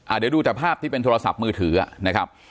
เดี๋ยวดูแต่ภาพที่เป็นโทรศัพท์มือถือนะครับ